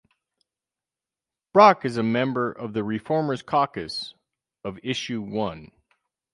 Brock is a member of the ReFormers Caucus of Issue One.